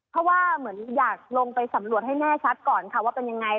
เพราะว่าอยากลงไปสำรวจแน่ชัดก่อนว่าเป็นยังไง